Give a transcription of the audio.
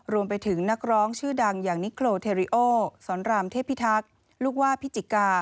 รวมไปถึงนักร้องชื่อดังอย่างนิโครเทริโอสอนรามเทพิทักษ์ลูกว่าพิจิกา